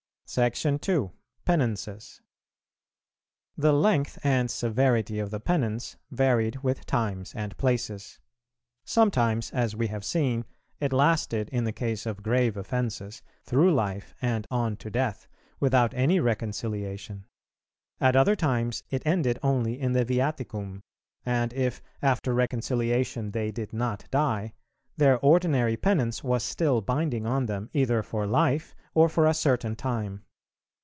§ 2. Penances. The length and severity of the penance varied with times and places. Sometimes, as we have seen, it lasted, in the case of grave offences, through life and on to death, without any reconciliation; at other times it ended only in the viaticum; and if, after reconciliation they did not die, their ordinary penance was still binding on them either for life or for a certain time.